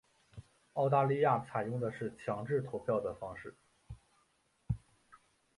澳大利亚采用的是强制投票的方式。